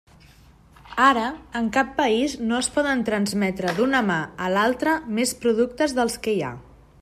Ara, en cap país no es poden transmetre d'una mà a l'altra més productes dels que hi ha.